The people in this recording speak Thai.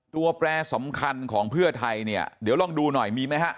แปรสำคัญของเพื่อไทยเนี่ยเดี๋ยวลองดูหน่อยมีไหมฮะ